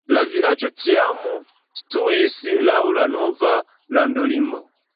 La vilaĝo tiam situis laŭ la nova landolimo.